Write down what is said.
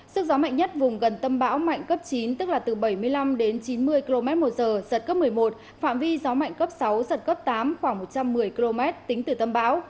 sức gió mạnh nhất vùng gần tâm bão mạnh cấp chín tức là từ bảy mươi năm đến chín mươi km một giờ giật cấp một mươi một phạm vi gió mạnh cấp sáu giật cấp tám khoảng một trăm một mươi km tính từ tâm bão